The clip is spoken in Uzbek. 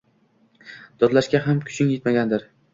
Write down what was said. Dodlashga ham kuching yetmagandir.